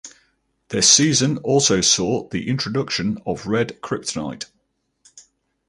This season also saw the introduction of red kryptonite.